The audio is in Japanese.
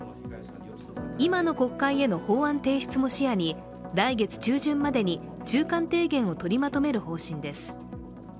今の国会への法案提出も視野に来月中旬までに中間提言をとりまとめる方針です。